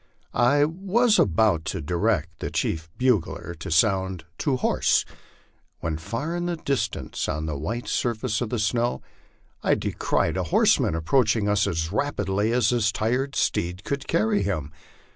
I was about to direct the chief bugler to sound " To horse," when far in the distance, on the white surface of the snow, I descried a horseman approaching us as rapidly as his tired steed could carry him.